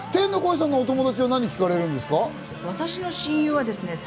天の声さんのお友達は何を聴かれるんですか？